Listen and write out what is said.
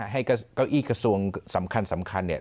ให้เก้าอี้กระทรวงสำคัญ